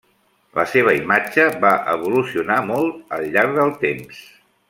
La seva imatge va evolucionar molt al llarg del temps.